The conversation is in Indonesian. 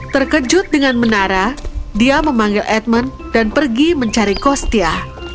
terkejut dengan menara dia memanggil edman dan pergi mencari kostia